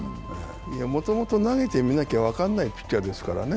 もともと投げてみなきゃ分からないピッチャーですからね。